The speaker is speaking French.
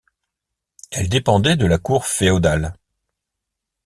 Elle dépendait de la Cour féodale.